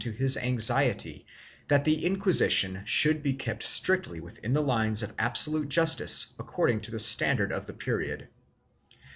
I] INSISTENCE ON JUSTICE 297 to his anxiety that the Inquisition should be kept strictly within the lines of absolute justice according to the standard of the period.